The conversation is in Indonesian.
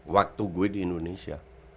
waktu gue di indonesia